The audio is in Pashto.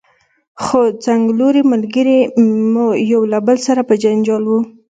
خو څنګلوري ملګري مو یو له بل سره په جنجال وو.